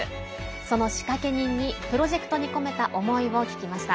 その仕掛け人に、プロジェクトに込めた思いを聞きました。